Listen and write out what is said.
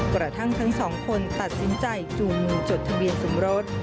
กระทั่งทั้งสองคนตัดสินใจจูงมือจดทะเบียนสมรส